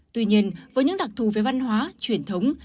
tuy nhiên với những đặc thù về văn hóa truyền thống